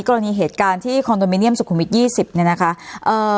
กรณีเหตุการณ์ที่คอนโดมิเนียมสุขุมวิทยี่สิบเนี่ยนะคะเอ่อ